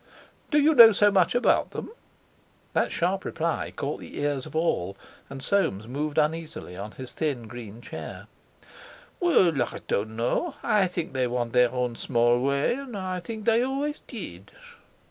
"Do you know so much about them?" That sharp reply caught the ears of all, and Soames moved uneasily on his thin green chair. "Well, I don't know, I think they want their own small way, and I think they always did."